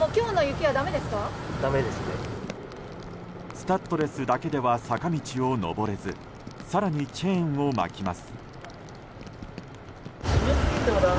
スタッドレスだけでは坂道を上れず更にチェーンを巻きます。